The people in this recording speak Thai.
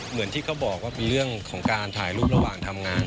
เหมือนที่เขาบอกว่าเป็นเรื่องของการถ่ายรูประหว่างทำงาน